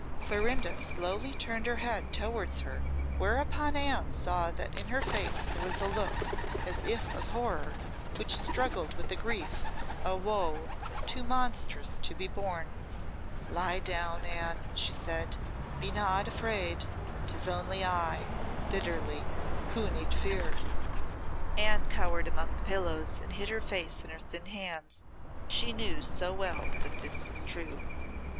Clorinda slowly turned her head towards her, whereupon Anne saw that in her face there was a look as if of horror which struggled with a grief, a woe, too monstrous to be borne. "Lie down, Anne," she said. "Be not afraid 'tis only I," bitterly "who need fear?" Anne cowered among the pillows and hid her face in her thin hands. She knew so well that this was true.